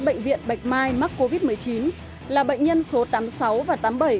bệnh viện bạch mai mắc covid một mươi chín là bệnh nhân số tám mươi sáu và tám mươi bảy